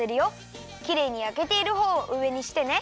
きれいにやけているほうをうえにしてね。